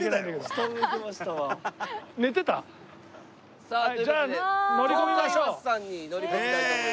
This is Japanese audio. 東海バスさんに乗り込みたいと思います。